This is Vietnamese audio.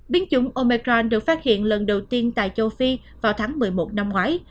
biến chủng omecron được phát hiện lần đầu tiên tại châu phi vào tháng một mươi một năm ngoái